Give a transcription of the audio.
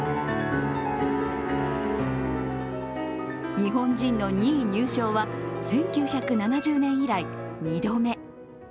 日本人の２位入賞は１９７０年以来２度目。